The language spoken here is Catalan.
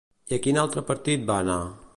I a quin altre partit va anar?